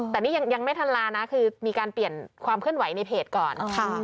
แต่นี่ยังไม่ทันลานะคือมีการเปลี่ยนความเคลื่อนไหวในเพจก่อน